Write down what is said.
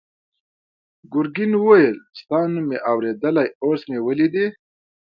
ګرګین وویل ستا نوم مې اورېدلی اوس مې ولیدې.